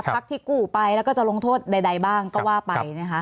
พักที่กู้ไปแล้วก็จะลงโทษใดบ้างก็ว่าไปนะคะ